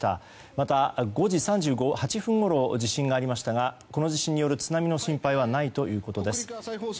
また、５時３８分ごろ地震がありましたがこの地震による津波の心配はないということです。